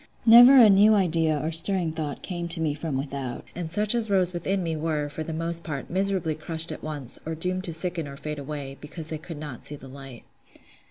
Never a new idea or stirring thought came to me from without; and such as rose within me were, for the most part, miserably crushed at once, or doomed to sicken or fade away, because they could not see the light.